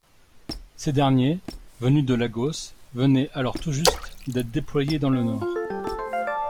Ces derniers, venus de Lagos, venaient alors tout juste d'être déployés dans le Nord.